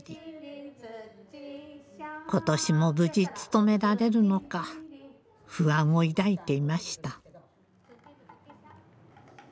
今年も無事務められるのか不安を抱いていました。